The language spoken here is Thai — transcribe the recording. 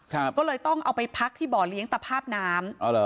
ค่ะก็เลยต้องเอาไปพักที่บ่อเลี้ยงตะภาพน้ำ